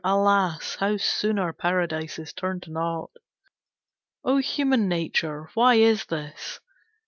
Alas, how soon Our paradise is turned to naught! O human nature, why is this?